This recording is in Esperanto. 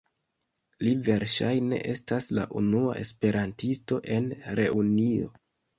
Li verŝajne estas la unua esperantisto en Reunio.